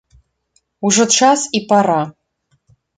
Ужо час і пара!